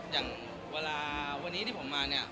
อย่างเวลาวันนี้ที่ผมมาเนี่ย